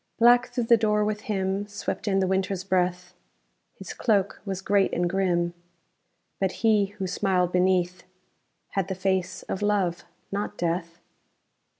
_ Black through the door with him Swept in the Winter's breath; His cloak was great and grim But he, who smiled beneath, Had the face of Love not Death.